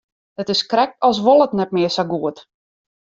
It is krekt as wol it net mear sa goed.